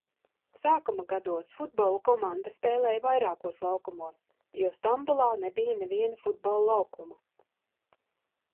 Sākuma gados futbola komanda spēlēja vairākos laukumos, jo Stambulā nebija neviena futbola laukuma.